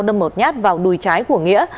đâm một nhát vào đùi trái của nghĩa